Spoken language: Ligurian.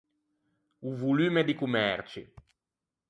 O volumme di comerci.